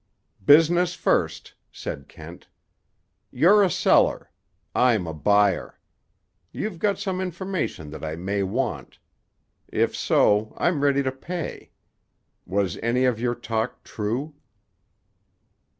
"Business first," said Kent. "You're a seller. I'm a buyer. You've got some information that I may want. If so, I'm ready to pay. Was any of your talk true?"